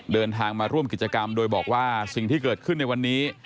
เดินทางมาร่วมกิจกรรมโดยบอกว่าสิ่งที่เกิดขึ้นในวันนี้